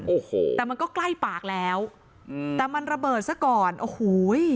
โอ้โหแต่มันก็ใกล้ปากแล้วอืมแต่มันระเบิดซะก่อนโอ้โห